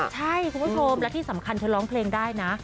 ใช่คุณผู้ชมและที่สำคัญเธอร้องเพลงได้นะ